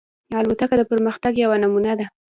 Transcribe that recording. الوتکه د پرمختګ یوه نمونه ده.